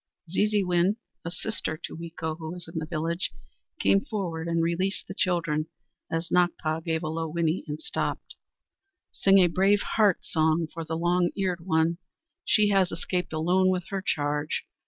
Zeezeewin, a sister to Weeko, who was in the village, came forward and released the children, as Nakpa gave a low whinny and stopped. "Sing a Brave Heart song for the Long Eared One! She has escaped alone with her charge.